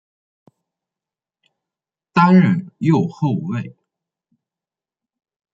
担任右后卫。